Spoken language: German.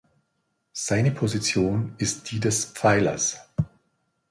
Seine Position ist die des Pfeilers.